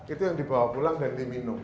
itu yang dibawa pulang dan diminum